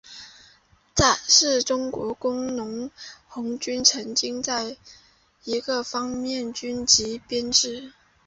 是中国工农红军曾经存在的一个方面军级编制。